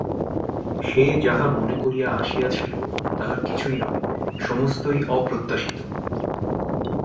সে যাহা মনে করিয়া আসিয়াছিল তাহার কিছুই নয়, সমস্তই অপ্রত্যাশিত।